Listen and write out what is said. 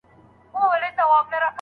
له ایران سره سوداګري باید منظمه شي.